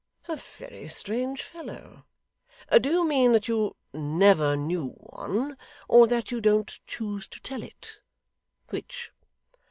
'A very strange fellow! Do you mean that you never knew one, or that you don't choose to tell it? Which?